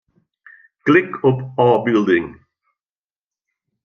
Klik op ôfbylding.